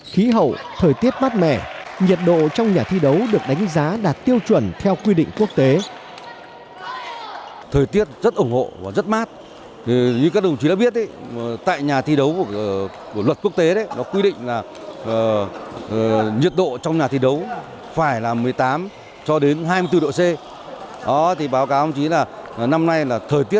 khí hậu thời tiết mát mẻ nhiệt độ trong nhà thi đấu được đánh giá đạt tiêu chuẩn theo quy định quốc tế